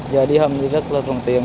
giờ đi hầm thì rất là phương tiện